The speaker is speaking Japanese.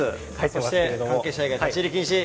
そして「関係者以外立入禁止」。